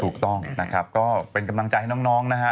ถูกต้องนะครับก็เป็นกำลังใจให้น้องนะฮะ